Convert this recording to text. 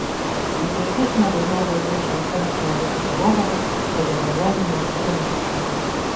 Гэтыя песні аб'ядноўвае вечная цяга чалавека да новага, да заваявання нязведаных абшараў.